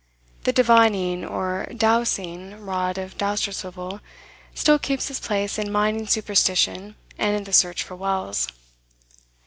The divining, or "dowsing," rod of Dousterswivel still keeps its place in mining superstition and in the search for wells.